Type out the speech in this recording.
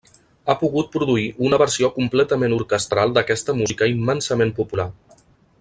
Ha pogut produir una versió completament orquestral d'aquesta música immensament popular.